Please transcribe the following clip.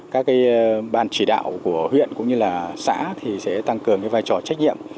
các ban chỉ đạo của huyện cũng như xã sẽ tăng cường vai trò trách nhiệm